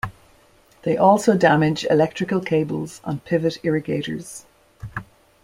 They also damage electrical cables on pivot irrigators.